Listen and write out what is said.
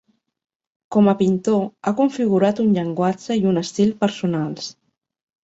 Com a pintor ha configurat un llenguatge i un estil personals.